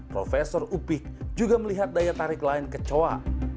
profesor upik juga melihat daya tarik lain kecoa